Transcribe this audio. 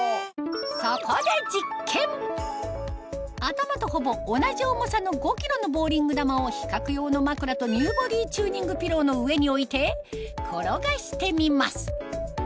そこで頭とほぼ同じ重さの５ｋｇのボウリング球を比較用の枕とＮＥＷボディーチューニングピローの上に置いて転がしてみます